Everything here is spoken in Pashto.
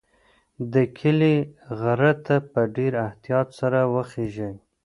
د کلي غره ته په ډېر احتیاط سره وخیژئ.